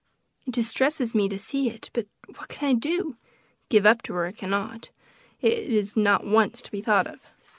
It distresses me to see it; but what can I do? give up to her I cannot; it is not once to be thought of.